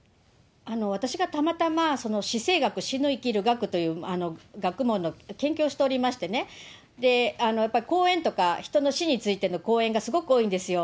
私がたまたま死生学、死ぬ生きる学という学問の研究をしておりましてね、やっぱり講演とか人の死についての講演がすごく多いんですよ。